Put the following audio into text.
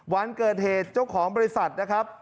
วันเกิดเหตุเจ้าของบริษัทนะครับ